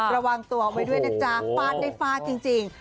ระวังตัวเอาไว้ด้วยนะจ๊ะฟาดได้ฟาดจริง